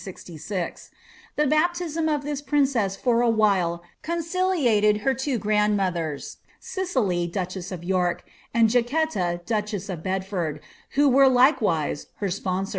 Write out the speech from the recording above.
The baptism of this cess for a while conciliated her two grandmothers. Cicely duchese fork, and Jaquetta duchess of Bedford, who were likewise her spon I.